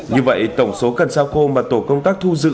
như vậy tổng số cần xa khô mà tổ công tác thu giữ